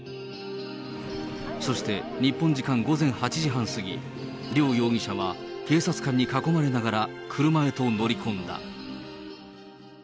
そして、日本時間午前８時半過ぎ、両容疑者は警察官に囲まれながら、車へと乗り込んだ。